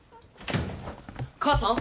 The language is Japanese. ・母さん！？